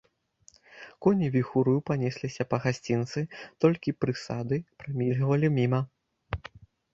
Коні віхураю панесліся па гасцінцы, толькі прысады прамільгвалі міма.